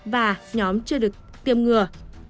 và nhóm chưa được tiêm ngừa